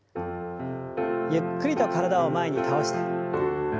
ゆっくりと体を前に倒して。